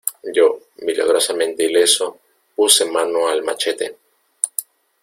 yo, milagrosamente ileso , puse mano al machete: